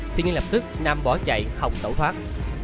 tuy nhiên lập tức nam bỏ chạy không tẩu thoát